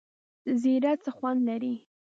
زیره څه خوند لري؟